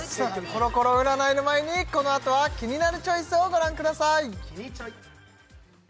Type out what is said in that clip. コロコロ占いの前にこのあとはキニナルチョイスをご覧ください